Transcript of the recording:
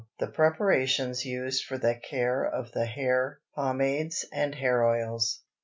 THE PREPARATIONS USED FOR THE CARE OF THE HAIR (POMADES AND HAIR OILS).